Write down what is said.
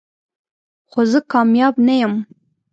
خو زه کامیاب نه یم .